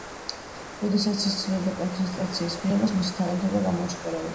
როდესაც ის ცდილობდა კომპენსაციის მიღებას მისი თაღლითობა გამოააშკარავეს.